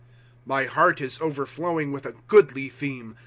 ^ My heart is overflowing with a goodly theme.